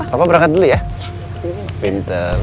nah papa berangkat dulu ya pintar